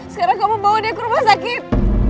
sekarang kamu membawa dia ke rumah sakit